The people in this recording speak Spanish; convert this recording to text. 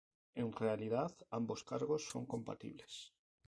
En realidad, ambos cargos son compatibles.